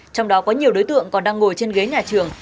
trong đó có nhiều đối tượng còn đang ngồi trên ghế nhà trường